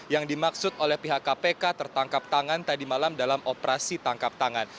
yang dimaksud oleh pihak kpk tertangkap tangan tadi malam dalam operasi tangkap tangan